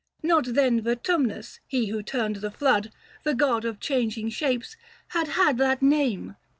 Not then Vertumnus, he who turned the flood, 480 The god of changing shapes, had had that name.